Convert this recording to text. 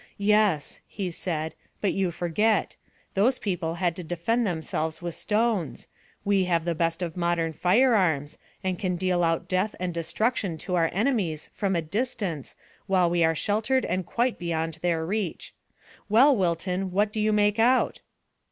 "Yes," he said, "but you forget. Those people had to defend themselves with stones. We have the best of modern firearms, and can deal out death and destruction to our enemies from a distance while we are sheltered and quite beyond their reach. Well, Wilton, what do you make out?"